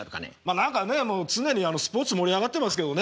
何かね常にスポーツ盛り上がってますけどね。